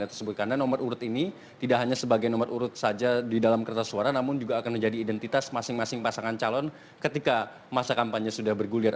karena nomor urut ini tidak hanya sebagai nomor urut saja di dalam kertas suara namun juga akan menjadi identitas masing masing pasangan calon ketika masa kampanye sudah bergulir